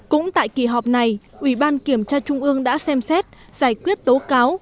cũng tại kỳ họp này ủy ban kiểm tra trung ương đã xem xét giải quyết tố cáo